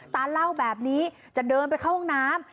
เล่าแบบนี้จะเดินไปเข้าห้องน้ำ